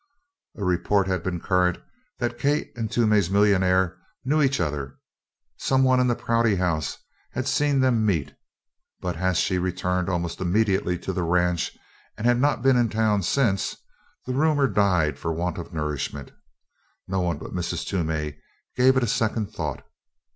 A report had been current that Kate and "Toomey's millionaire" knew each other some one in the Prouty House had seen them meet but as she returned almost immediately to the ranch and had not been in town since, the rumor died for want of nourishment. No one but Mrs. Toomey gave it a second thought.